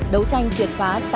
đấu tranh triệt phá